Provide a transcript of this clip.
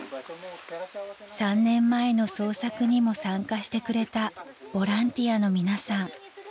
［３年前の捜索にも参加してくれたボランティアの皆さん］